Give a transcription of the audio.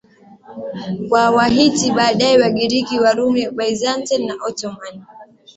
wa Wahiti Baadaye Wagiriki Warumi Byzantine na Ottoman